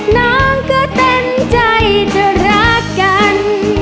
น้องก็เต็มใจจะรักกัน